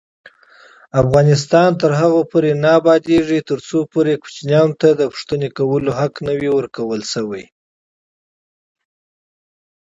افغانستان تر هغو نه ابادیږي، ترڅو ماشوم ته د پوښتنې کولو حق ورکړل نشي.